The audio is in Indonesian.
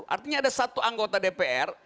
artinya ada satu anggota dpr